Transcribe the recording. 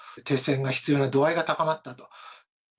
停戦が必要な度合いが高まったと。